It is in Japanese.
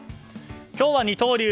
今日は二刀流